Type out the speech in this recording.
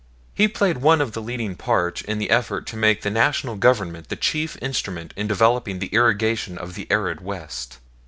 He played one of the leading parts in the effort to make the National Government the chief instrument in developing the irrigation of the arid West.